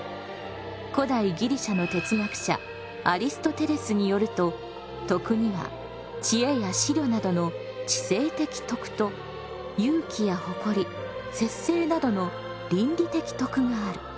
古代ギリシャの哲学者アリストテレスによると徳には知恵や思慮などの「知性的徳」と勇気や誇り節制などの「倫理的徳」がある。